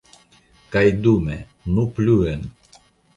Kaj dume, nu pluen!